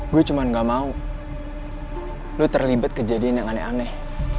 gue cuma gak mau lu terlibat kejadian yang aneh aneh